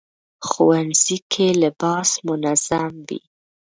ښوونځی کې لباس منظم وي